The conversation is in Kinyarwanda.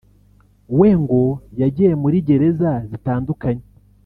we ngo yagiye muri gereza zitandukanye